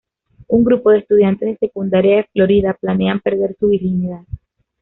Un grupo de estudiantes de secundaria de Florida planean perder su virginidad.